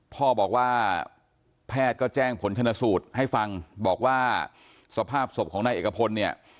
พ่อบอกว่าแพทย์ก็แจ้งผลชนสูตรให้ฟังบอกว่าสภาพศพของนายเอกพลเนี่ย